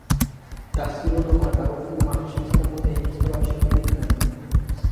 Tarsila do Amaral foi uma artista modernista latino-americana